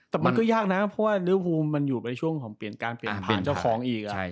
แต่มันก็ยากนะเพราะว่าเนื้อภูมิมันอยู่ในช่วงของเปลี่ยนการเปลี่ยนผ่านเจ้าของอีก